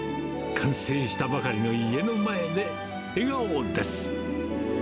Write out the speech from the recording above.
完成したばかりの家の前で、笑顔です。